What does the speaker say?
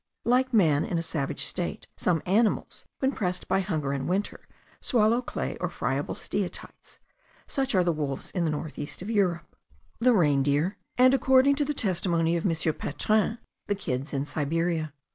Like man in a savage state some animals, when pressed by hunger in winter, swallow clay or friable steatites; such are the wolves in the northeast of Europe, the reindeer and, according to the testimony of M. Patrin, the kids in Siberia.